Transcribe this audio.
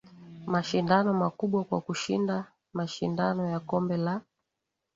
Mashindano makubwa kwa kushinda mashindano ya kombe la